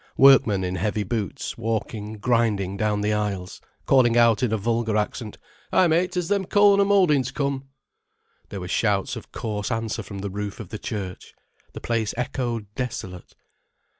Workmen in heavy boots walking grinding down the aisles, calling out in a vulgar accent: "Hi, mate, has them corner mouldin's come?" There were shouts of coarse answer from the roof of the church. The place echoed desolate.